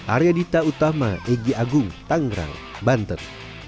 arya dita utama egy agung tanggerang banten